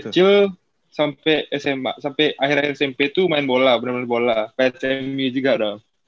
dari kecil sampai smp sampai akhirnya smp tuh main bola bener bener bola kayak semi juga dong